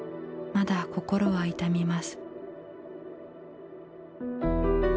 まだ心は痛みます」。